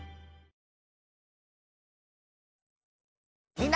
みんな。